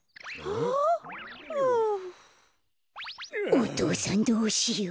お父さんどうしよう。